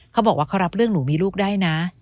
เขาบอกว่าเขารับเรื่องหนูมีลูกได้นะ